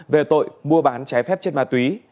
về tội mua bán trái phép chất ma túy